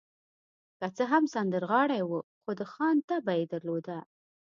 که څه هم سندرغاړی و، خو د خان طبع يې درلوده.